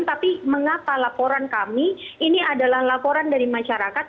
tapi mengapa laporan kami ini adalah laporan dari masyarakat